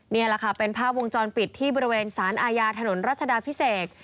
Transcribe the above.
นี่แหละค่ะเป็นภาพวงจรปิดที่บริเวณสารอาญาถนนรัชดาพิเศษ